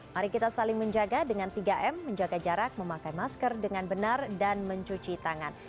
mari kita saling menjaga dengan tiga m menjaga jarak memakai masker dengan benar dan mencuci tangan